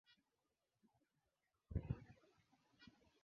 Mbinu nyingine zilikuwa za kushangaza ikiwemo mojawapo